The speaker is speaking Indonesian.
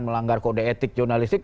melanggar kode etik jurnalistik